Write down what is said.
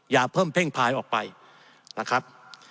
อย่าเพิ่มเพ่งพายออกไปนะครับ